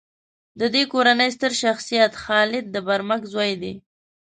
د دې کورنۍ ستر شخصیت خالد د برمک زوی دی.